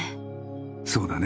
そうだね。